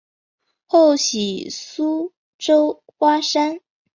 后徙苏州花山。